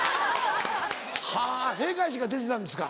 はぁ閉会式は出てたんですか？